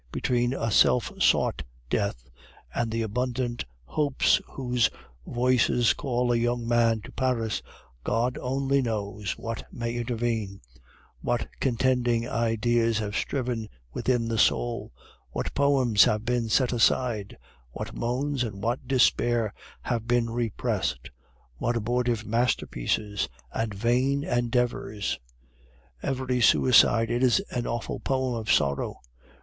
Between a self sought death and the abundant hopes whose voices call a young man to Paris, God only knows what may intervene; what contending ideas have striven within the soul; what poems have been set aside; what moans and what despair have been repressed; what abortive masterpieces and vain endeavors! Every suicide is an awful poem of sorrow.